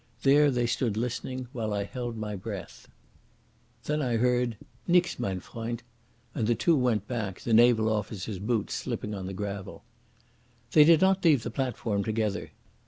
There they stood listening, while I held my breath. Then I heard "Nix, mein freund," and the two went back, the naval officer's boots slipping on the gravel. They did not leave the platform together.